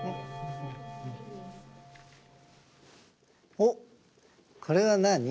おっこれはなに？